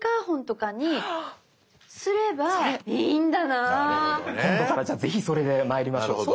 なるほどね。今度からじゃあぜひそれでまいりましょう。